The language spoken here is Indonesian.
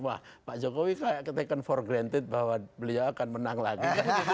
wah pak jokowi kayak taken for granted bahwa beliau akan menang lagi